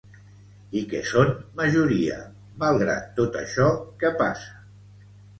I que són majoria, malgrat tot això que passa.